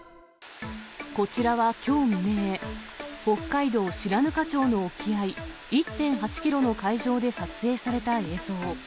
こちらはきょう未明、北海道白糠町の沖合、１．８キロの海上で撮影された映像。